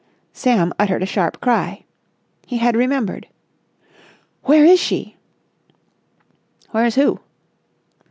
Sam uttered a sharp cry. He had remembered. "Where is she?" "Where's who?"